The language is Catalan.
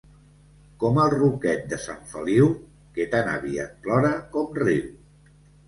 Com el ruquet de Sant Feliu, que tan aviat plora com riu.